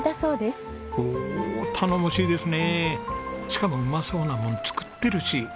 しかもうまそうなもん作ってるし。